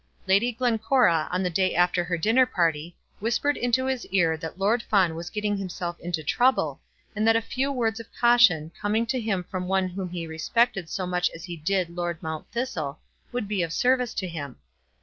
Lady Glencora, on the day after her dinner party, whispered into his ear that Lord Fawn was getting himself into trouble, and that a few words of caution, coming to him from one whom he respected so much as he did Lord Mount Thistle, would be of service to him.